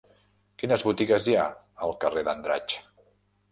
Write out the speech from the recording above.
Quines botigues hi ha al carrer d'Andratx?